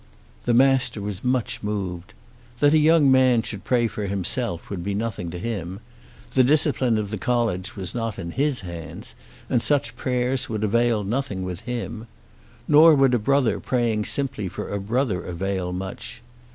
The Master was much moved. That a young man should pray for himself would be nothing to him. The discipline of the college was not in his hands, and such prayers would avail nothing with him. Nor would a brother praying simply for a brother avail much.